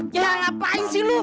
ya ngapain sih lu